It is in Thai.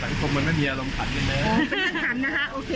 อาทิตย์กว่า